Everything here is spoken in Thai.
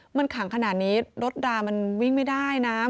มันขังขนาดนี้รถรามันวิ่งไม่ได้นะ